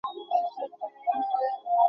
আত্মার জ্ঞানের সঙ্কোচন এবং সম্প্রসারণ হয়।